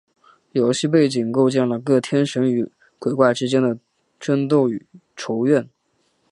游戏背景构建了各天神与鬼怪之间的争斗与仇怨。